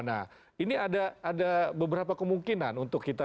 nah ini ada beberapa kemungkinan untuk kita